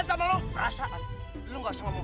hah perasaan gue gak punya salah kan sama lo